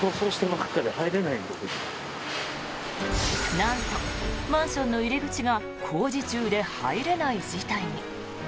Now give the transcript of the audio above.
なんと、マンションの入り口が工事中で入れない事態に。